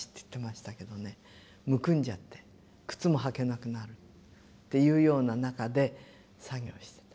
むくんじゃって靴も履けなくなるっていうような中で作業してた。